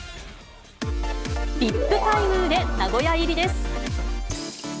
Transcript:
ＶＩＰ待遇で名古屋入りです。